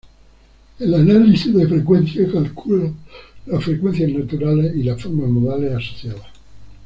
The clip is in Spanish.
El análisis de frecuencia calcula las frecuencias naturales y las formas modales asociadas.